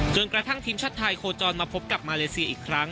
กระทั่งทีมชาติไทยโคจรมาพบกับมาเลเซียอีกครั้ง